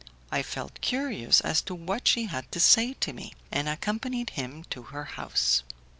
I felt curious as to what she had to say to me, and accompanied him to her house.